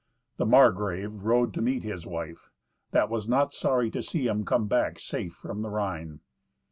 The Margrave rode to meet his wife, that was not sorry to see him come back safe from the Rhine.